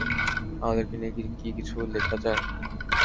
আমাদেরকে নিয়ে কি কিছু লেখা যায়?